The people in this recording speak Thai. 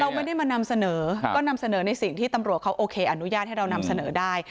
เราไม่ได้มานำเสนอก็นำเสนอในสิ่งที่ตำรวจเขาโอเคอนุญาตให้เรานำเสนอได้